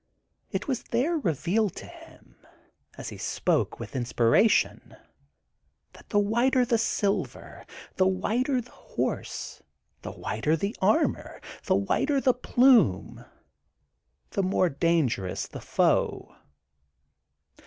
It was there revealed to him, as he spoke with inspiration, that the whiter the silver, the whiter the horse, the whiter the armor, the whiter the plume^ the more dangerous the foe.